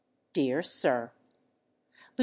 DEAR SIR: Lieut.